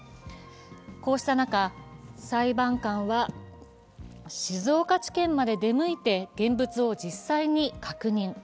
こうした中、裁判官は静岡地検まで出向いて現物を実際に確認。